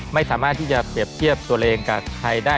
ไม่สามารถที่จะเปรียบเทียบตัวเองกับใครได้